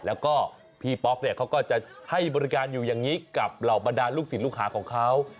แล้วก็พี่ป๊อกเนี่ยเขาก็จะให้บริการอยู่อย่างนี้กับเหล่าบรรดาลูกศิษย์ลูกหาของเขา